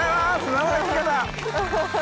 生で聞けた！